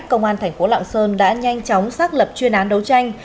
công an tp lạng sơn đã nhanh chóng xác lập chuyên án đấu tranh